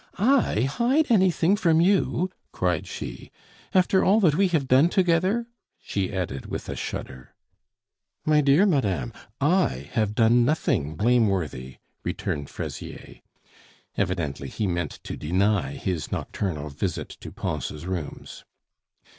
"I hide anything from you!" cried she "after all that we have done together!" she added with a shudder. "My dear madame, I have done nothing blameworthy," returned Fraisier. Evidently he meant to deny his nocturnal visit to Pons' rooms.